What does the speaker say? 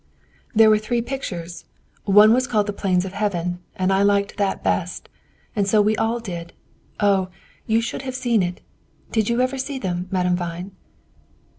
"There were three pictures. One was called the 'Plains of Heaven,' and I liked that best; and so we all did. Oh, you should have seen it! Did you ever see them, Madame Vine?"